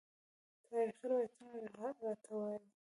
تاریخي روایتونه راته وايي.